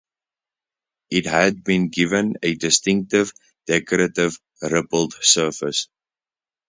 It had been given a distinctive, decorative rippled surface.